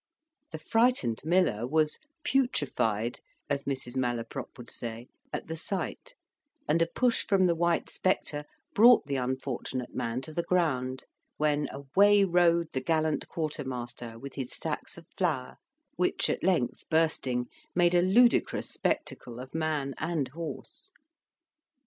The frightened miller was "putrified," as Mrs. Malaprop would say, at the sight, and a push from the white spectre brought the unfortunate man to the ground, when away rode the gallant quartermaster with his sacks of flour, which, at length bursting, made a ludicrous spectacle of man and horse.